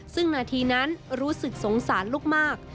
ซึ่งนาทีนั้นรู้สึกสงสารลูกมาก